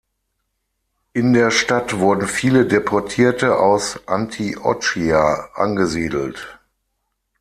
In der Stadt wurden viele Deportierte aus Antiochia angesiedelt.